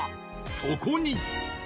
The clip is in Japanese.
［そこに］